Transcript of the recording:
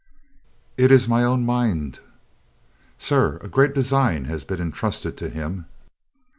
"It is my own mind. Sir, a great design has been entrusted to him."